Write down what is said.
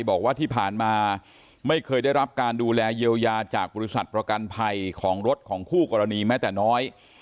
บอกว่าที่ผ่านมาไม่เคยได้รับการดูแลเยียวยาจากบริษัทประกันภัยของรถของคู่กรณีแม้แต่น้อย